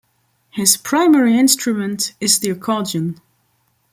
His primary instrument is the accordion.